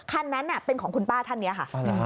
คันนั้นเป็นของคุณป้าท่านนี้ค่ะ